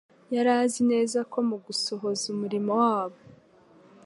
Yari azi neza ko mu gusohoza umurimo wabo,